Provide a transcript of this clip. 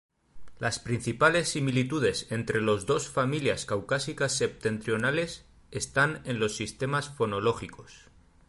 Las principales similitudes entre los dos familias caucásicas septentrionales están en los sistemas fonológicos.